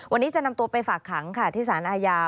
วันนี้จะนำตัวไปฝากขังค่ะที่สารอาญา